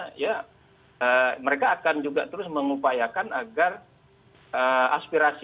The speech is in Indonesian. dan sebagainya ya mereka akan juga terus mengupayakan agar aspirasi